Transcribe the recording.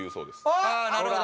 あぁなるほど。